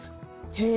へえ。